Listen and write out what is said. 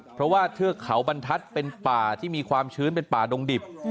เพราะว่าเทือกเขาบรรทัศน์เป็นป่าที่มีความชื้นเป็นป่าดงดิบ